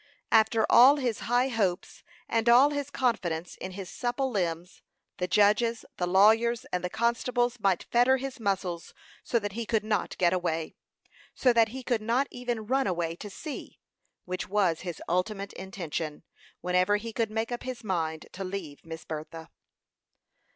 After all his high hopes, and all his confidence in his supple limbs, the judges, the lawyers, and the constables might fetter his muscles so that he could not get away so that he could not even run away to sea, which was his ultimate intention, whenever he could make up his mind to leave Miss Bertha.